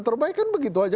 kader terbaik kan begitu aja